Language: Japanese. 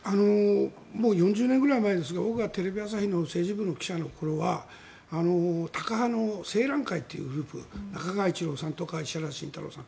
もう４０年ぐらい前ですが僕がテレビ朝日の政治部の記者の時はタカ派の青嵐会というグループ中川一郎さんとか石原慎太郎さん